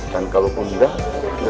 dan kalau pun tidak jadi ini adalah perubahan